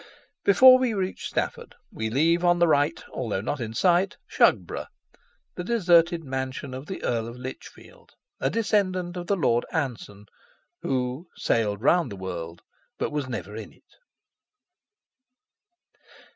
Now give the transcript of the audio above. Before we reach Stafford we leave on the right, although not in sight, Shugborough, the deserted mansion of the Earl of Lichfield, a descendant of the Lord Anson who "sailed round the world but was never in it."